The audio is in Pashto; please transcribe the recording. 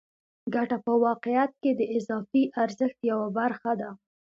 ګته په واقعیت کې د اضافي ارزښت یوه برخه ده